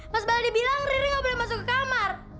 mas balade bilang riri nggak boleh masuk ke kamar